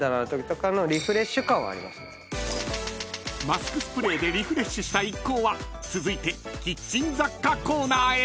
［マスクスプレーでリフレッシュした一行は続いてキッチン雑貨コーナーへ］